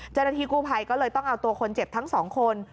เจ้าหน้าที่กู้ภัยก็เลยต้องเอาตัวคนเจ็บทั้งสองคน